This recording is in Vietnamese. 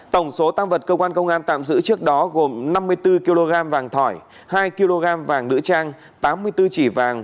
tổng số tăng vật cơ quan công an tạm giữ trước đó gồm năm mươi bốn kg vàng thỏi hai kg vàng nữ trang tám mươi bốn chỉ vàng